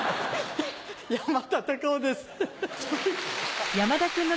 山田隆夫です。